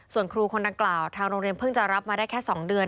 ส่วนครูคนดังกล่าวทางโรงเรียนเพิ่งจะรับมาได้แค่๒เดือน